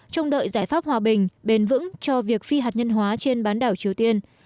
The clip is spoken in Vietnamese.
trông đợi giải pháp hòa bình bền vững cho việc phi hạt nhân hóa trên bán đảo triều tiên